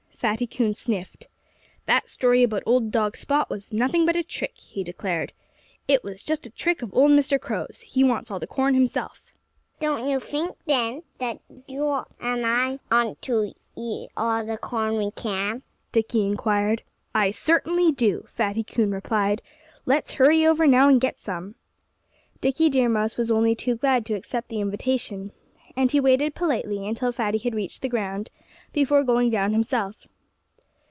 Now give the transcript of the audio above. Fatty Coon sniffed. "That story about old dog Spot was nothing but a trick," he declared. "It was just a trick of old Mr. Crow's. He wants all the corn himself." "Don't you think, then, that you and I ought to eat all the corn we can?" Dickie inquired. "I certainly do!" Fatty Coon replied. "Let's hurry over now and get some!" Dickie Deer Mouse was only too glad to accept the invitation. And he waited politely until Fatty had reached the ground, before going down himself.